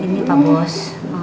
ini pak bos